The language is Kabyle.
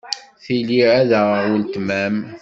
Tili ad aɣeɣ weltma-m.